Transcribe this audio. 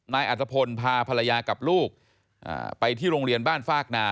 อัตภพลพาภรรยากับลูกไปที่โรงเรียนบ้านฟากนา